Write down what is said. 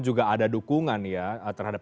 juga ada dukungan ya terhadap